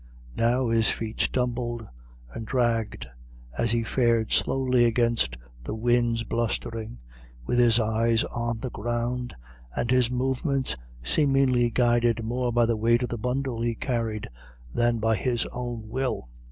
Now his feet stumbled and dragged as he fared slowly against the wind's blustering, with his eyes on the ground, and his movements seemingly guided more by the weight of the bundle he carried than by his own will.